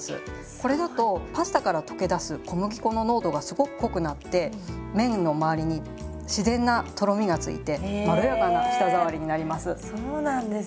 これだとパスタから溶け出す小麦粉の濃度がすごく濃くなって麺のまわりに自然なとろみがついてまろやかな舌触りになります。